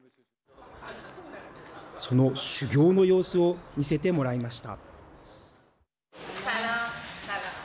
その修行の様子を見せてもらいました。